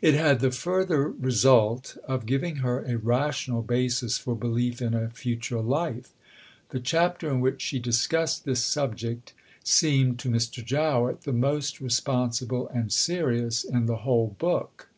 It had the further result of giving her a rational basis for belief in a Future Life. The chapter in which she discussed this subject seemed to Mr. Jowett "the most responsible and serious in the whole book."